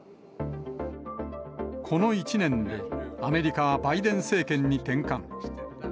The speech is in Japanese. この１年で、アメリカはバイデン政権に転換。